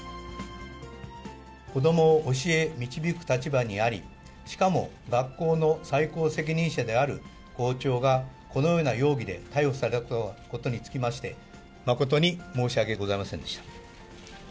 子どもを教え、導く立場にあり、しかも学校の最高責任者である校長がこのような容疑で逮捕されたことにつきまして、誠に申し訳ございませんでした。